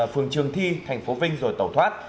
phường trường thi tp vinh rồi tẩu thoát